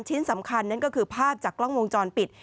ชิ้นสำคัญนั่นก็คือภาพจากกล้องวงจรปิด